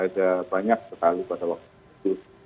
ada banyak sekali pada waktu itu